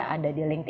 ada di linkedin